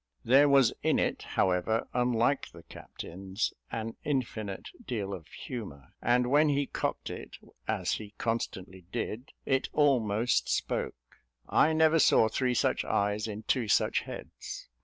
There was in it, however, unlike the captain's, an infinite deal of humour, and when he cocked it, as he constantly did, it almost spoke. I never saw three such eyes in two such heads.